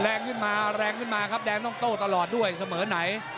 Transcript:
แรงขึ้นมาแรงขึ้นมาครับแดงต้องโต้ตลอดด้วยเสมอไหน